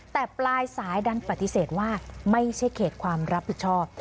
แต่ปลายสายดันปฏิเสธว่าไม่ใช่เขตความรับผิดชอบ